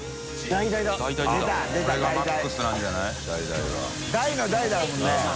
大の大だもんね。